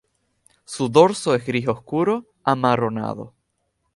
Su dorso es gris oscuro amarronado.